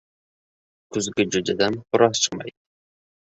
• Kuzgi jo‘jadan xo‘roz chiqmaydi.